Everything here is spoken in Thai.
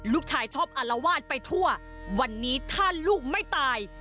ลูกชายชอบอารวาสไปทั่ววันนี้ถ้าลูกไม่ตาย